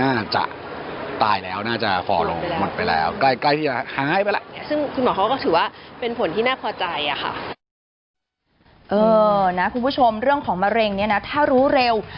น่าจะตายแล้วน่าจะฟอลงหมดไปแล้ว